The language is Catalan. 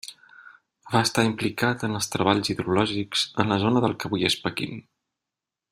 Va estar implicat en els treballs hidrològics en la zona del que avui és Pequín.